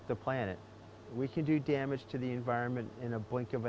kita bisa melakukan bahaya kepada alam semangat dengan dalam mata